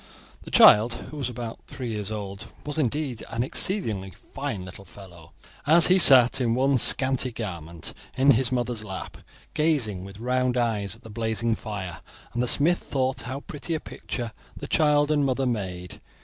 The child, who was about three years old, was indeed an exceedingly fine little fellow, as he sat, in one scanty garment, in his mother's lap, gazing with round eyes at the blazing fire; and the smith thought how pretty a picture the child and mother made.